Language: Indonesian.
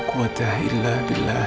udqué juta dimakantan